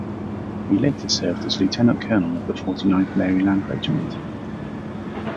He later served as Lieutenant-Colonel of the Forty-Ninth Maryland Regiment.